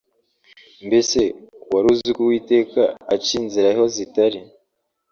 Mbese wari uziko uwiteka aca inzira aho zitari